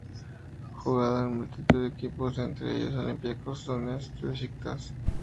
Ha jugado en una multitud de equipos, entre ellos Olympiacos, Donetsk, Beşiktaş.